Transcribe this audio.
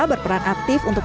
pertanyaan dari penulis